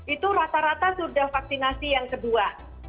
itu rata rata sudah vaksinasi yang kedua